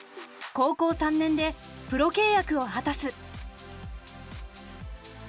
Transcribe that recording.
高校３年でプロ契約を果たす。